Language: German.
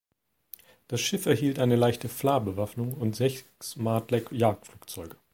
Das Schiff erhielt eine leichte Fla-Bewaffnung und sechs Martlet-Jagdflugzeuge.